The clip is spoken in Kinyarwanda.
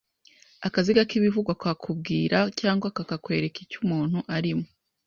Akaziga k'ibivugwa kakubwira cyangwa kakwereka icyo umuntu arimo